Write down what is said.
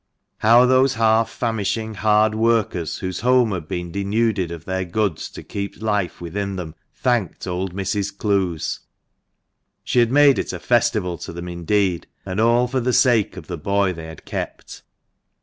How those half famishing hard workers, whose home had been" denuded of their goods to keep life within them, thanked old Mrs. Clowes ! She had made it a festival to them indeed, and all for the sake of the boy they had kept.